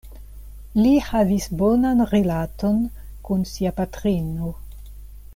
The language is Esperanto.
Li havis bonan rilaton kun sia patrino.